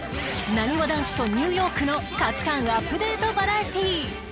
なにわ男子とニューヨークの価値観アップデートバラエティー